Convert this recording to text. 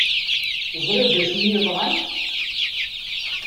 Teẓriḍ d acu i yeḍran?